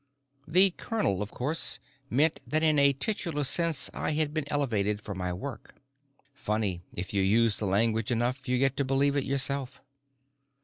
The colonel, of course, meant that in a titular sense I had been elevated for my work. Funny, if you use the language enough, you get to believe it yourself.